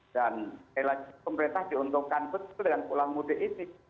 dan pemerintah diuntungkan betul dengan pulang mudik ini